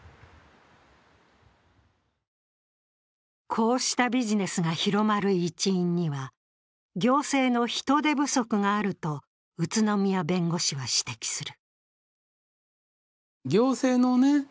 こうしたビジネスが広まる一因には行政の人手不足があると宇都宮弁護士は指摘する。